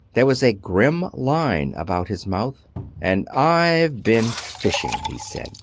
There was a grim line about his mouth. "And I've been fishing," he said.